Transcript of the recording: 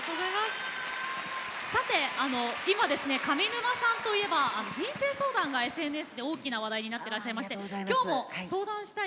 さて今ですね上沼さんといえば人生相談がＳＮＳで大きな話題になっていらっしゃいまして今日も相談したい人がいらっしゃる。